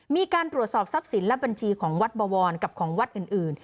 มีการตรวจสอบทรัพย์สินและบัญชีของวัดบวรกับของวัดอื่น